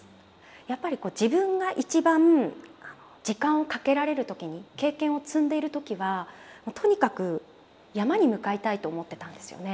やっぱりこう自分が一番時間をかけられる時に経験を積んでいる時はとにかく山に向かいたいと思ってたんですよね。